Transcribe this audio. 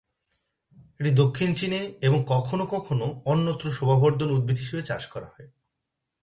এটি দক্ষিণ চীনে এবং কখনও কখনও অন্যত্র শোভাবর্ধক উদ্ভিদ হিসেবে চাষ করা হয়।